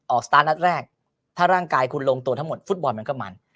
สตาร์ทนัดแรกถ้าร่างกายคุณลงตัวทั้งหมดฟุตบอลมันก็มัน